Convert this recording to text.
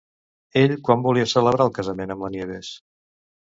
Ell quan volia celebrar el casament amb la Nieves?